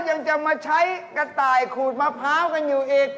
ยังจะมาใช้กระต่ายขูดมะพร้าวกันอยู่อีก